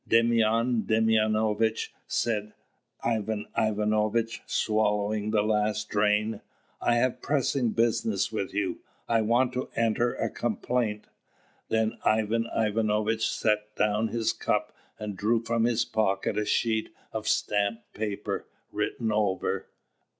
"Demyan Demyanovitch," said Ivan Ivanovitch, swallowing the last drain, "I have pressing business with you; I want to enter a complaint." Then Ivan Ivanovitch set down his cup, and drew from his pocket a sheet of stamped paper, written over.